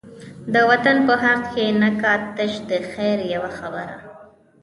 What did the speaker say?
د وطن په حق کی نه کا، تش دخیر یوه خبره